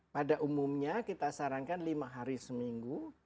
pada umumnya kita sarankan lima hari seminggu